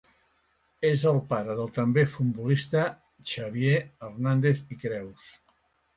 És el pare del també futbolista Xavier Hernández i Creus.